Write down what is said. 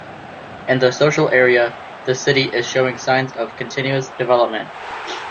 In the social area the city is showing signs of continuous development.